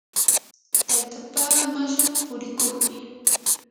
taytapaa mashan purikuqmi.